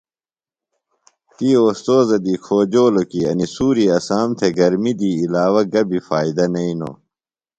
تی اوستوذہ دی کھوجولوۡ کی انیۡ سۡوری اسام تھےۡ گرمیۡ دی علاوہ گہ بیۡ فائدہ نئینوۡ۔